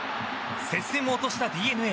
接戦を落としたＤｅＮＡ。